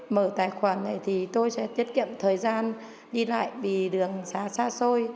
mở tài khoản này thì tôi sẽ tiết kiệm thời gian đi lại vì đường xa xa xôi